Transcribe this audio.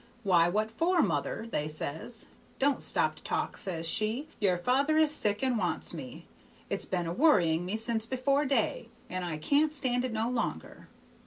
'Why, what for, mother?' they says. 'Don't stop to talk,' says she; 'your father is sick, and wants me. It's been a worrying me since before day, and I can't stand it no longer.'